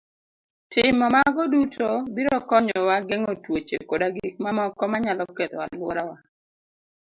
Timo mago duto biro konyowa geng'o tuoche koda gik mamoko manyalo ketho alworawa.